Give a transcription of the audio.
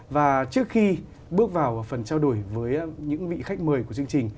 và trước khi bước vào phần trao đổi với những vị khách mời của chương trình